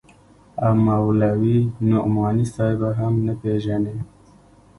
او مولوي نعماني صاحب به هم نه پېژنې.